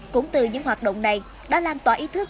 cũng từ những hoạt động này đã lan tỏa ý thức